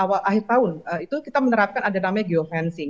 awal akhir tahun itu kita menerapkan ada namanya geofencing